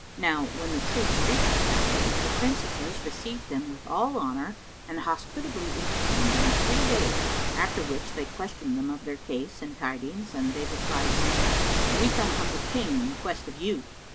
Now when the troops reached the castle, the Princesses received them with all honour and hospitably entertained them three days; after which they questioned them of their case and tidings and they replied saying, "We come from the King in quest of you."